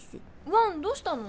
ワンどうしたの？